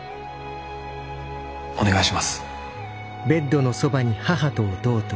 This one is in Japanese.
お願いします。